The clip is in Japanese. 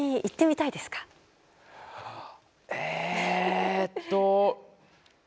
えっと